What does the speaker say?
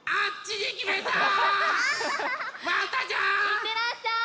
いってらっしゃい！